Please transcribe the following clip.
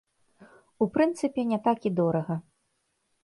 У прынцыпе, не так і дорага.